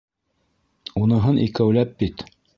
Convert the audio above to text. — Уныһын икәүләп бит.